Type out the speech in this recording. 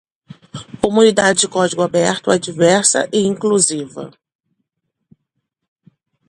Comunidade de código aberto é diversa e inclusiva.